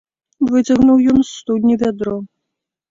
Выцягнуў ён з студні вядро.